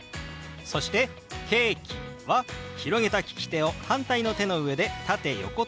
そして「ケーキ」は広げた利き手を反対の手の上で縦横と動かします。